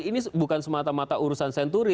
ini bukan semata mata urusan senturi